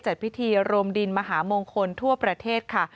จัดพิธีรวมดินมหามงคลทั่วประเทศค่ะ